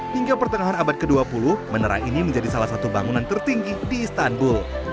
hingga pertengahan abad ke dua puluh menara ini menjadi salah satu bangunan tertinggi di istanbul